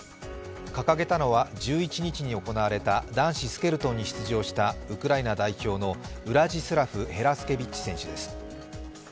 掲げたのは１１日に行われた男子スケルトンに出場したウクライナ代表のウラジスラフ・ヘラスケビッチ選手です。